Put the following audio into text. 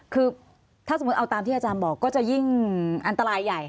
คือถ้าสมมุติเอาตามที่อาจารย์บอกก็จะยิ่งอันตรายใหญ่